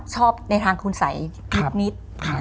ชอบในทางคุณสัยนิด